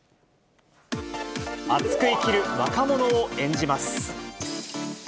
熱く生きる若者を演じます。